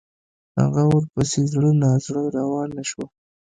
هغه ورپسې زړه نا زړه روانه شوه.